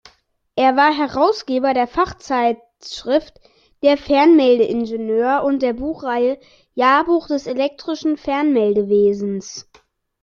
Er war Herausgeber der Fachzeitschrift "Der Fernmelde-Ingenieur" und der Buchreihe "Jahrbuch des elektrischen Fernmeldewesens".